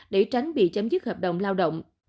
để tránh bị chấm dứt hợp đồng lao động